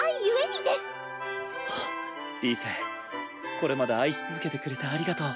これまで愛し続けてくれてありがとう。